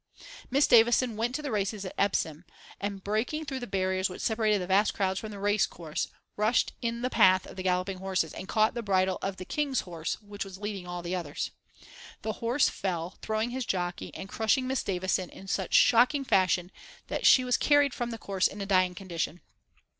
Miss Davison went to the races at Epsom, and breaking through the barriers which separated the vast crowds from the race course, rushed in the path of the galloping horses and caught the bridle of the King's horse, which was leading all the others. The horse fell, throwing his jockey and crushing Miss Davison in such shocking fashion that she was carried from the course in a dying condition.